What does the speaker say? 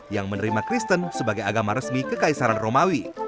yang menerima kristen sebagai agama resmi kekaisaran romawi